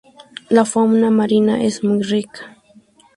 La fauna marina es muy rica.